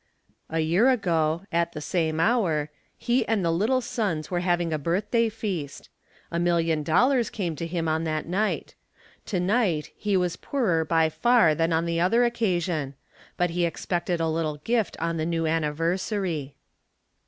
A year ago, at the same hour, he and the "Little Sons" were having a birthday feast. A million dollars came to him on that night. To night he was poorer by far than on the other occasion, but he expected a little gift on the new anniversary.